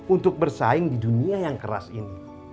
untuk bersaing di dunia yang keras ini